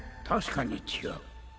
確かに違う